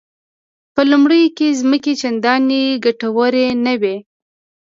په لومړیو کې ځمکې چندانې ګټورې نه وې.